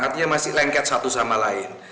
artinya masih lengket satu sama lain